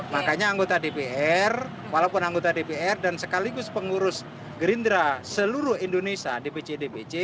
makanya anggota dpr walaupun anggota dpr dan sekaligus pengurus gerindra seluruh indonesia dpc dpc